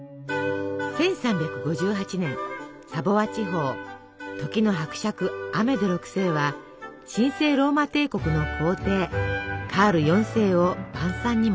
１３５８年サヴォワ地方時の伯爵アメデ６世は神聖ローマ帝国の皇帝カール４世を晩餐に招きます。